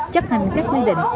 chấp hành các quy định